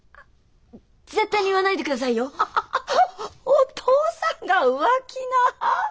お父さんが浮気なあ。